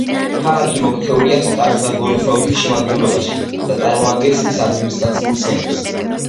ქალაქი მოქცეულია სტარა-ზაგორის ოლქის შემადგენლობაში და წარმოადგენს მის ადმინისტრაციულ ცენტრს.